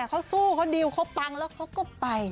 เขาสู้เขาดิวเขาปังแล้วเขาก็ไป